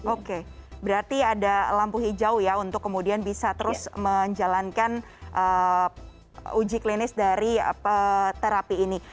oke berarti ada lampu hijau ya untuk kemudian bisa terus menjalankan uji klinis dari terapi ini